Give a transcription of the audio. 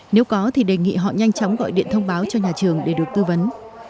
nếu có thì đề nghị họ nhanh chóng gọi điện thông báo cho nhà trường để được tư vấn